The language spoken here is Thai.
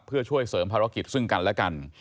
เพื่อช่วยเสริมภารกิจซึ่งกันและกัน